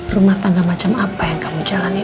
rumah tangga macam apa yang kamu jalanin al